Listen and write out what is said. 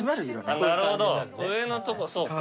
なるほど上のとこそうか。